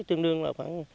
tương đương là khoảng